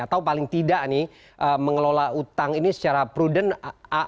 atau paling tidak nih mengelola utang ini secara prudent